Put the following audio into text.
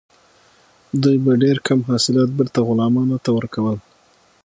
دوی به ډیر کم حاصلات بیرته غلامانو ته ورکول.